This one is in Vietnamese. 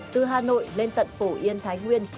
từ hà nội lên tận phủ yên thái nguyên